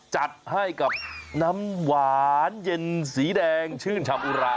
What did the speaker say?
จัดให้กับน้ำหวานเย็นสีแดงชื่นฉับอุรา